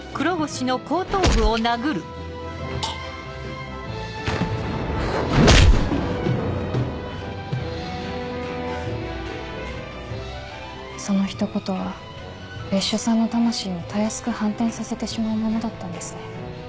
殴る音そのひと言は別所さんの魂をたやすく反転させてしまうものだったんですね。